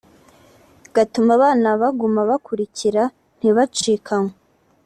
gatuma abana baguma bakurikira ntibacikanywe